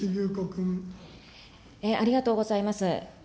ありがとうございます。